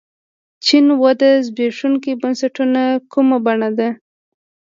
چین وده د زبېښونکو بنسټونو کومه بڼه ده.